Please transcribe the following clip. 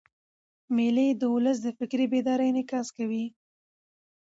مېلې د اولس د فکري بیدارۍ انعکاس کوي.